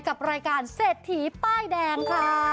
กับรายการเศรษฐีป้ายแดงค่ะ